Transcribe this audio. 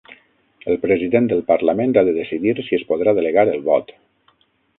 El president del parlament ha de decidir si es podrà delegar el vot